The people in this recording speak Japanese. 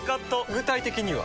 具体的には？